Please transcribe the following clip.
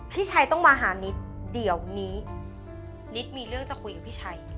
พี่ชัยต้องมาหานิดเดี๋ยวนี้นิดมีเรื่องจะคุยกับพี่ชัย